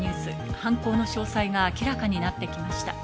犯行の詳細が明らかになってきました。